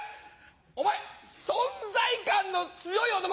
お前存在感の強い男